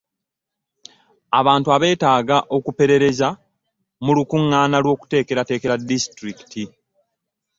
Abantu abeetaaga okuperereza mu lukuŋŋaana lw’Okuteekerateekera Disisitulikiti.